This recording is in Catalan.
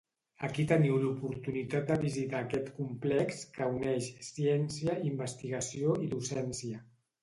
Ara teniu l’oportunitat de visitar aquest complex que uneix ciència, investigació i docència.